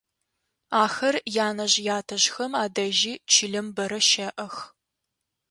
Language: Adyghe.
Ахэр янэжъ-ятэжъхэм адэжьи чылэм бэрэ щэӏэх.